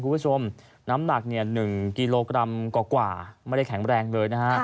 คุณผู้ชมน้ำหนัก๑กิโลกรัมกว่าไม่ได้แข็งแรงเลย